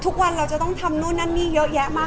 ทุกวันเราจะต้องทำนู่นนั่นนี่เยอะแยะมาก